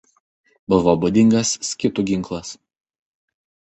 Buvo būdingas skitų ginklas.